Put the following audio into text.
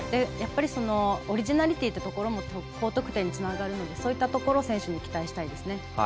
やっぱりオリジナリティーも高得点につながるのでそういったところを選手に期待したいですね。